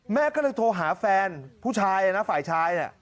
แม่ก็เลยโทรหาแฟนผู้ชายนะฝ่ายชาย